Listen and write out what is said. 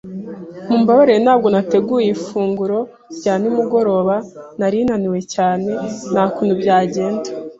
Mumbabarire ntabwo nateguye ifunguro rya nimugoroba. Nari naniwe cyane nta kuntu byagenda.